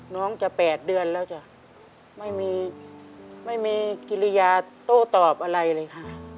น้องจะ๘เดือนแล้วจ้ะไม่มีไม่มีกิริยาโต้ตอบอะไรเลยค่ะ